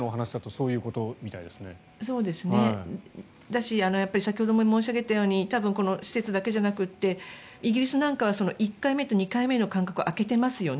そうだし先ほども申し上げたようにこの施設だけじゃなくてイギリスなんかは１回目と２回目の間隔を空けてますよね。